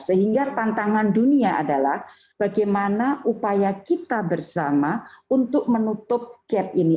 sehingga tantangan dunia adalah bagaimana upaya kita bersama untuk menutup gap ini